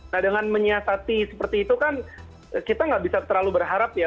nah dengan menyiasati seperti itu kan kita nggak bisa terlalu berharap ya